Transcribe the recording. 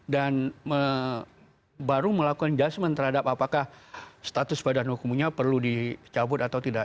dan baru melakukan adjustment terhadap apakah status badan hukumnya perlu dicabut atau tidak